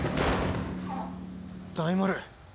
大丸。